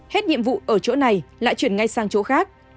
hết nhiệm vụ ở chỗ này lại chuyển ngay sang chỗ khác